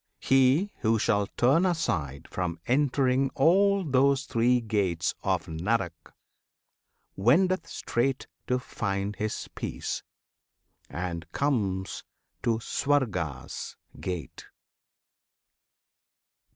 He who shall turn aside from entering All those three gates of Narak, wendeth straight To find his peace, and comes to Swarga's gate.